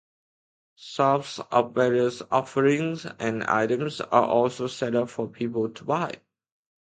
Shops of various offerings and items are also set up for people to buy.